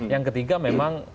yang ketiga memang